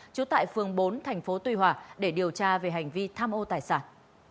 chú tại phường bốn tp hcm để điều tra về hành vi tham ô tài sản